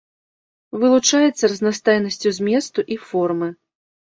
Вылучаецца разнастайнасцю зместу і формы.